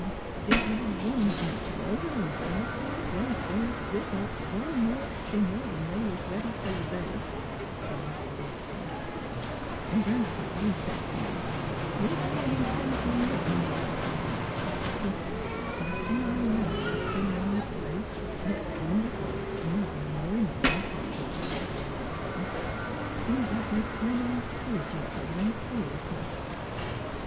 " Didn't I warn Gran 'pa over 'n' over not t' let them boys rip off one more shingle 'an they was ready t' lay? " she muttered, wrathfully. '^ An' Gran 'pa, he sez t' me, ' You g' in 'n' ten' t' 210 THE HEART OF PHILURA yer Imittin', Mother,' he sez. Let s'm' other men folks come 'round th' place, it's wonderful how smart an' knowin' Gran 'pa doos git all of a sudden. Seems like they kin' o' 'ncourage each other in foolishness.